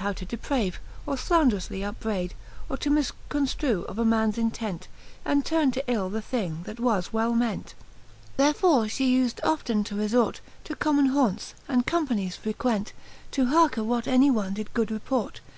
How to deprave, or flanderoufly upbrayd, Or to mifconftrue of a mans intent, And turne to ill the thing, that well was ment. Therefore fhe ufed often to refort To common haunts, and companies frequent. To hearke what any one did good report.